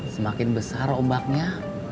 semakin besar ombaknya